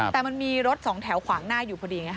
แต่มันมีรถสองแถวขวางหน้าอยู่พอดีไงฮ